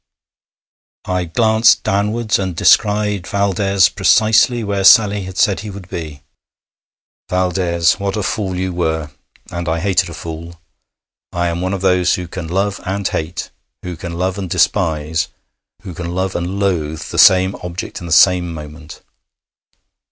I glanced downwards and descried Valdès precisely where Sally had said he would be. Valdès, what a fool you were! And I hated a fool. I am one of those who can love and hate, who can love and despise, who can love and loathe the same object in the same moment.